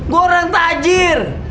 gue orang tajir